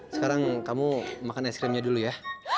sekarang kamu makan es krimnya dulu ya